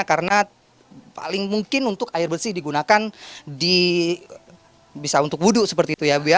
karena paling mungkin untuk air bersih digunakan di bisa untuk wudhu seperti itu ya bu ya